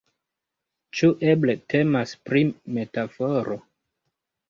Ĉu eble temas pri metaforo?